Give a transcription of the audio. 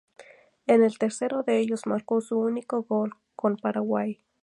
En el tercero de ellos marcó su único gol con Paraguay.